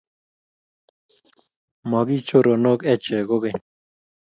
Magiichoronok ache kogeny